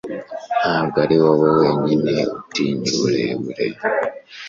Ntabwo ari wowe wenyine utinya uburebure.